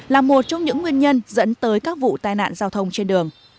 là một trong những nguyên nhân dẫn tới các vụ tai nạn giao thông trên đường